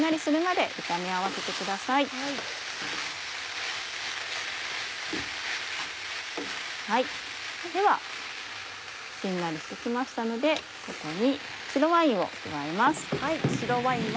ではしんなりして来ましたのでここに白ワインを加えます。